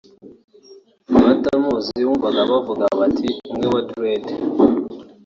abatamuzi wumvaga bavuga bati ‘umwe wa dread’